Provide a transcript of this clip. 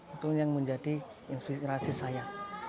itu yang menjadi inspirasi saya